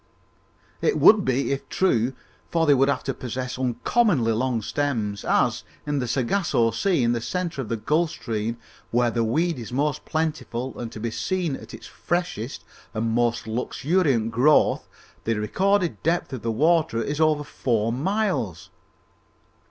"It would be, if true, for they would have to possess uncommonly long stems, as, in the Sagossa Sea, in the centre of the Gulf Stream, where the weed is most plentiful and to be seen at its freshest and most luxuriant growth, the recorded depth of the water is over four miles!"